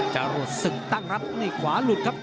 จรวดศึกตั้งรับนี่ขวาหลุดครับ